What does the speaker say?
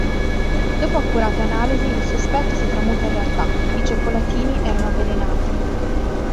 Dopo accurate analisi il sospetto si tramuta in realtà, i cioccolatini erano avvelenati.